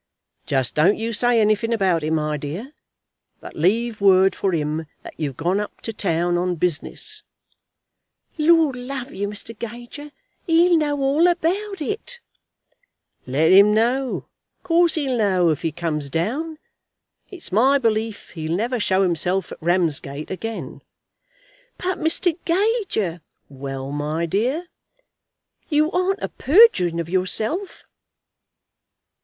"Just don't you say anything about it, my dear, but leave word for him that you've gone up to town on business." "Lord love you, Mr. Gager, he'll know all about it." "Let him know. Of course he'll know, if he comes down. It's my belief he'll never show himself at Ramsgate again." "But, Mr. Gager " "Well, my dear?" "You aren't a perjuring of yourself?"